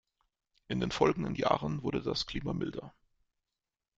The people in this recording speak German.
In den folgenden Jahren wurde das Klima milder.